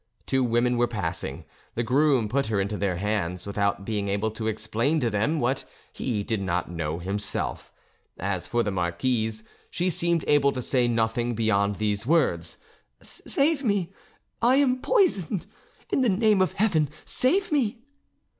Two women were passing; the groom put her into their hands, without being able to explain to them what he did not know himself. As for the marquise, she seemed able to say nothing beyond these words: "Save me! I am poisoned! In the name of Heaven, save me!"